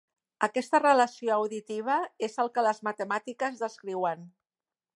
Aquesta relació auditiva és el que les matemàtiques descriuen.